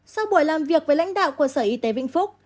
sau buổi làm việc với lãnh đạo của sở y tế vĩnh phúc